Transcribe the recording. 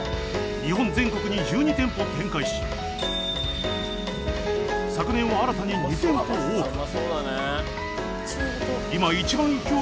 日本全国に１２店舗展開し昨年は新たに２店舗オープン。